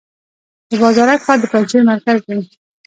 د بازارک ښار د پنجشیر مرکز دی